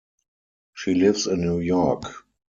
She lives in New York.